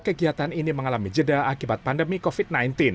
kegiatan ini mengalami jeda akibat pandemi covid sembilan belas